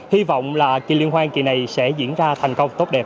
hy vọng là liên hoan kỳ này sẽ diễn ra thành công tốt đẹp